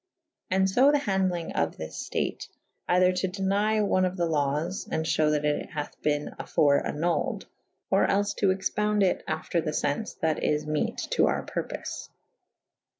And fo the handelyng of this ftate / eyther to deny one of Me lawes and fhewe that it' hathe bene afore anulled / or els to expounde it after the fence that is mete to our purpofe.